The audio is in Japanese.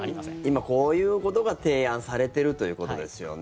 今、こういうことが提案されてるということですね。